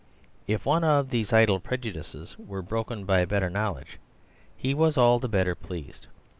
If one of these idle prejudices were broken by better knowledge, he was all the better pleased.